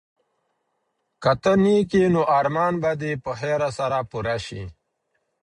که ته نېک یې نو ارمان به دي په خیر سره پوره سي.